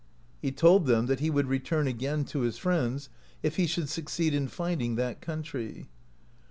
He told them that he would return again to his friends, if he should succeed in finding that country.